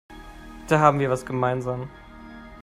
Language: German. Da haben wir was gemeinsam.